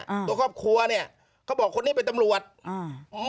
ตัวครอบครัวเนี้ยเขาบอกคนนี้เป็นตำรวจอ่าอ๋อ